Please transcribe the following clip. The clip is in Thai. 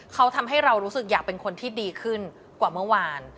เขาทำให้เรารู้สึกอยากเป็นคนที่ดีขึ้นกว่าเมื่อวาน